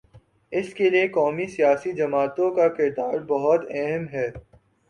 اس کے لیے قومی سیاسی جماعتوں کا کردار بہت اہم ہے۔